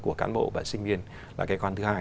của cán bộ và sinh viên là cái con thứ hai